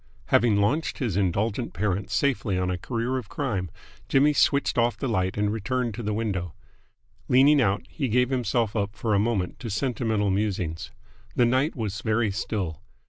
Having launched his indulgent parent safely on a career of crime, Jimmy switched off the light and returned to the window. Leaning out, he gave himself up for a moment to sentimental musings. The night was very still.